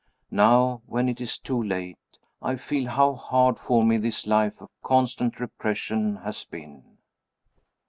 Now, when it is too late, I feel how hard for me this life of constant repression has been.